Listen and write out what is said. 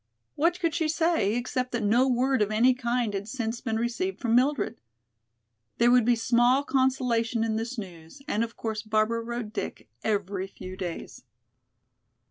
What could she say, except that no word of any kind had since been received from Mildred? There would be small consolation in this news, and of course Barbara wrote Dick every few days.